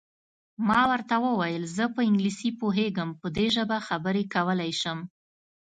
ما ورته وویل: زه په انګلیسي پوهېږم، په دې ژبه خبرې کولای شم.